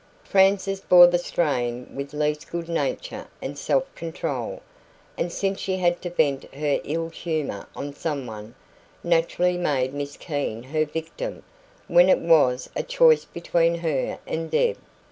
Frances bore the strain with least good nature and self control, and since she had to vent her ill humour on someone, naturally made Miss Keene her victim when it was a choice between her and Deb.